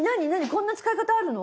こんな使い方あるの？